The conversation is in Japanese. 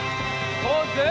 ポーズ！